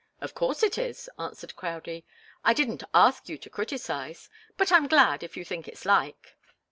"Of course it is," answered Crowdie; "I didn't ask you to criticise. But I'm glad if you think it's like."